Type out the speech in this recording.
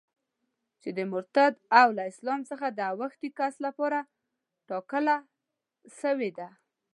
چي د مرتد او له اسلام څخه د اوښتي کس لپاره ټاکله سوې ده.